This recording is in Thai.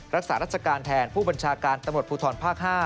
รักษารัชการแทนผู้บัญชาการตำรวจภูทรภาค๕